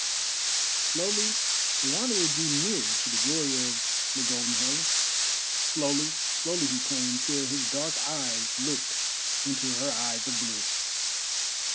Slowly the Wanderer drew near to the glory of the Golden Helen—slowly, slowly he came, till his dark eyes looked into her eyes of blue.